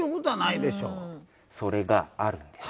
それがあるんです。